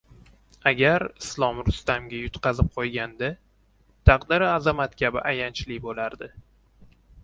Agar Islom Rustamga yutqazib qo‘yganda, taqdiri Azamat kabi ayanchli bo‘lardi.